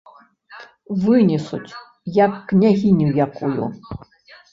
Вынесуць, як княгіню якую.